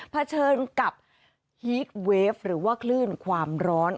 เฉินกับฮีตเวฟหรือว่าคลื่นความร้อน